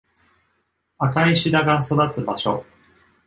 赤いシダが育つ場所...